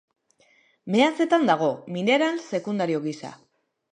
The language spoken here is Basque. Meatzetan dago, mineral sekundario gisa.